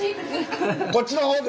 こっちの方で。